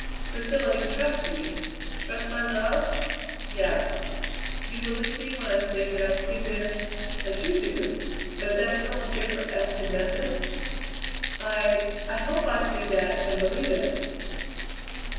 "Priscilla, you trust me; trust my love?" "Yes." "You believe me when I say that I see this as you do but that we only differ as to methods?" "I I hope I see that and believe it."